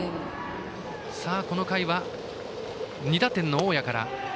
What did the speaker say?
この回は２打点の大矢から。